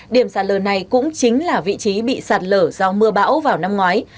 điểm sạt lở này cũng chính là vị trí bị sạt lở do mưa bão vào năm ngoái